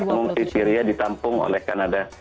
dua puluh tujuh pengungsi syria ditampung oleh kanada